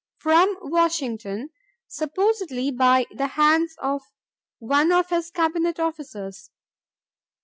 . .from Washington, supposedly by the hands of one of his Cabinet officers."